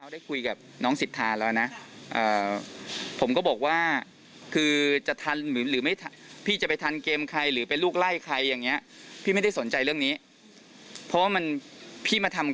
ได้คุยกับน้องสิทธาแล้วนะผมก็บอกว่าคือจะทันหรือไม่พี่จะไปทันเกมใครหรือไปลูกไล่ใครอย่างเงี้ยพี่ไม่ได้สนใจเรื่องนี้เพราะว่ามันพี่มาทำ